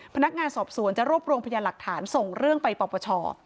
พนักงานสอบสวนจะรวบรวมพยานหลักฐานส่งเรื่องไปปปช